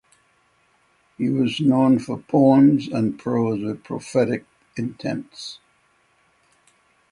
He was known for poems and prose with prophetic intents.